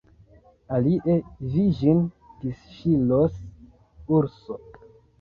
Alie vi ĝin disŝiros, urso!